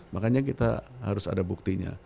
makanya kita harus ada buktinya